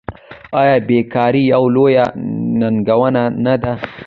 آیا بیکاري یوه لویه ننګونه نه ده؟